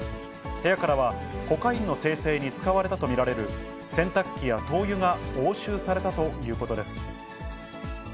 部屋からはコカインの精製に使われたと見られる洗濯機や灯油が押収されたということです。